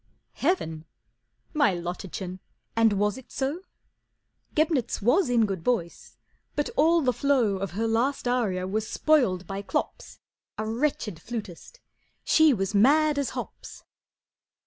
"Heaven! My Lottachen, and was it so? Gebnitz was in good voice, but all the flow Of her last aria was spoiled by Klops, A wretched flutist, she was mad as hops."